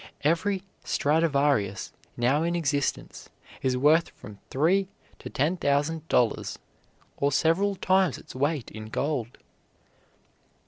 Every "Stradivarius" now in existence is worth from three to ten thousand dollars, or several times its weight in gold.